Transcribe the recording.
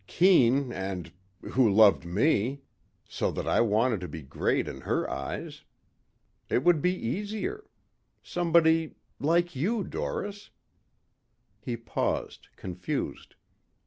Keen and ... who loved me. So that I wanted to be great in her eyes. It would be easier. Somebody ... like you, Doris." He paused, confused.